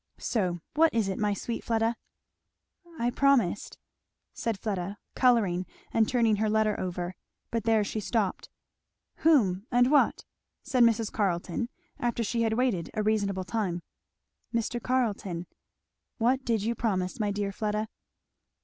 So what is it, my sweet Fleda?" "I promised " said Fleda colouring and turning her letter over. But there she stopped. "Whom and what?" said Mrs. Carleton after she had waited a reasonable time. "Mr. Carleton." "What did you promise, my dear Fleda?"